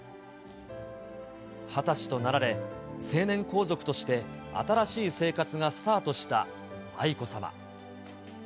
２０歳となられ、成年皇族として新しい生活がスタートした愛子さま。